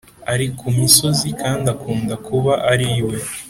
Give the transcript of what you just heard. ari ku misozi kandi akunda kuba ari iwe